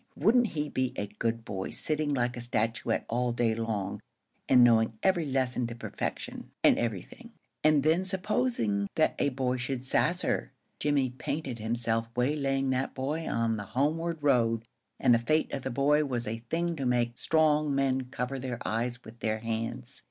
wouldn't he be a good boy, sitting like a statuette all day long, and knowing every lesson to perfection, and everything. And then supposing that a boy should sass her. Jimmie painted himself waylaying that boy on the homeward road, and the fate of the boy was a thing to make strong men cover their eyes with their hands.